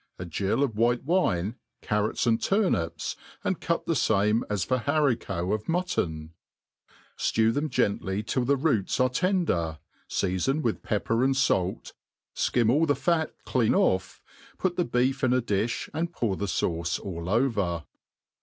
a gill of white wine, carrots and turnips, and cut the fame as for harrico of mutton; ftew them' gently till the roots ani ten der,* feafon with pepper and fah, fkiriti all the fat clean' ofF^' put the beef in the di(h, and pour the fauce all over.